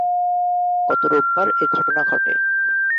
গত রোববার এ ঘটনা ঘটে।